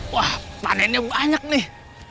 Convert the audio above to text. wah panennya banyak nih